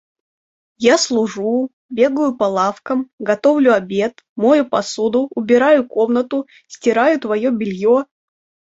Я служу, бегаю по лавкам, готовлю обед, мою посуду, убираю комнату, стираю твоё бельё...